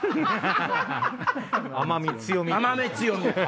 甘み強み？